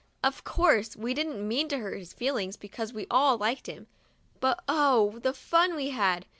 Of course, we didn't mean to hurt his feelings, because we all like him, but oh ! the fun we had